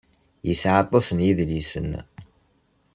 Yesɛa aṭas n yedlisen?